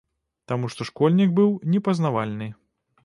Таму што школьнік быў непазнавальны.